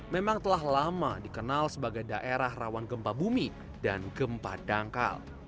memang telah lama dikenal sebagai daerah rawan gempa bumi dan gempa dangkal